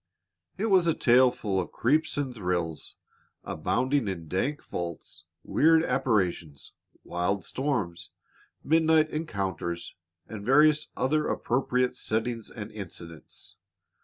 It was a tale full of creeps and thrills, abounding in dank vaults, weird apparitions, wild storms, midnight encounters, and various other appropriate settings and incidents.